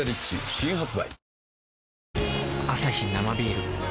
新発売